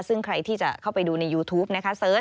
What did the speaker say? ซึ่งใครที่จะเข้าไปดูในยูทูปนะคะเสิร์ช